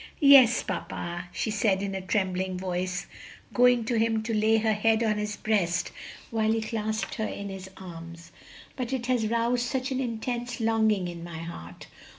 "Yes, papa," she said in a trembling voice, going to him to lay her head on his breast while he clasped her in his arms, "but it has roused such an intense longing in my heart!